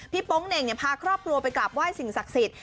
โป๊งเหน่งพาครอบครัวไปกราบไหว้สิ่งศักดิ์สิทธิ